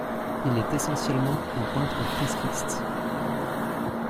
Il est essentiellement un peintre fresquiste.